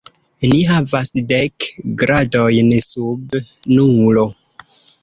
Ni havas dek gradojn sub nulo.